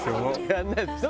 やらないでしょ？